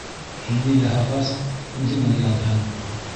Һине яһағас, үҙеңә яҙһын.